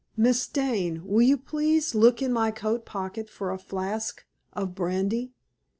"Miss Dane, will you please look in my coat pocket for a flask of brandy?"